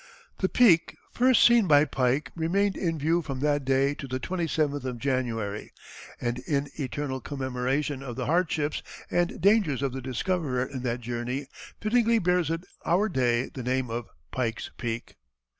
The peak, first seen by Pike, remained in view from that day to the 27th of January, and in eternal commemoration of the hardships and dangers of the discoverer in that journey fittingly bears in our day the name of Pike's Peak.